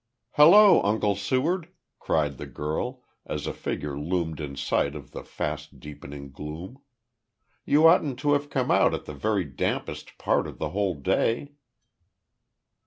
"Hallo, Uncle Seward!" cried the girl, as a figure loomed in sight in the fast deepening gloom. "You oughtn't to have come out at the very dampest part of the whole day."